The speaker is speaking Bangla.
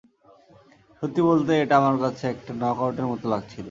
সত্যি বলতে, এটা আমার কাছে একটা নকআউটের মত লাগছিল।